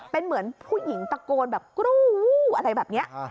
เป็นเหมือนผู้หญิงตะโกนแบบกรูอะไรแบบนี้